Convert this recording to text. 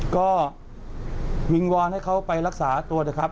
ก็วิงวอนให้เขาไปรักษาตัวเถอะครับ